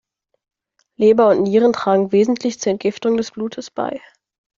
Leber und Nieren tragen wesentlich zur Entgiftung des Blutes bei.